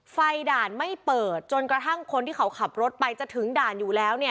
ด่านไม่เปิดจนกระทั่งคนที่เขาขับรถไปจะถึงด่านอยู่แล้วเนี่ย